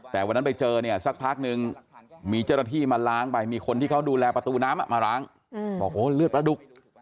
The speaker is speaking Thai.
แต่วันนั้นไปเจอเนี่ยสักพักนึงมีเจ้าหน้าที่มาล้างไปมีคนที่เขาดูแลประตูน้ำมาล้างบอกโอ้เลือดประดุก